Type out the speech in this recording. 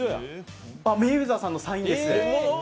メイウェザーさんのサインです。